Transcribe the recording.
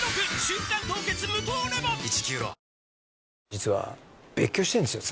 実は別居してるんですよ